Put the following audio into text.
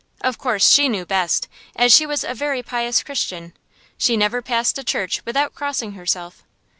Of course she knew best, as she was a very pious Christian. She never passed a church without crossing herself.